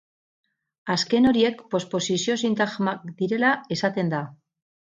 Azken horiek postposizio-sintagmak direla esaten da.